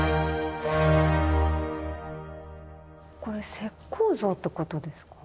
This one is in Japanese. これ石膏像ってことですか？